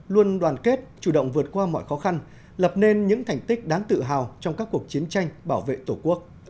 luôn đoàn kết chủ động vượt qua mọi khó khăn lập nên những thành tích đáng tự hào trong các cuộc chiến tranh bảo vệ tổ quốc